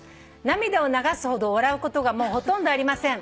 「涙を流すほど笑うことがもうほとんどありません」